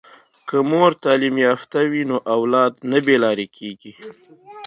که مور تعلیم یافته وي نو اولاد نه بې لارې کیږي.